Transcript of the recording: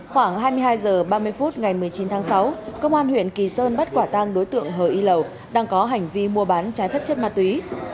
khoảng hai mươi hai h ba mươi phút ngày một mươi chín tháng sáu công an huyện kỳ sơn bắt quả tang đối tượng hờ y lầu đang có hành vi mua bán trái phép chất ma túy